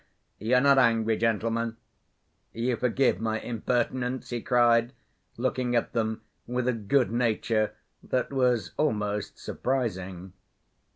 You're not angry, gentlemen? You forgive my impertinence?" he cried, looking at them with a good‐nature that was almost surprising.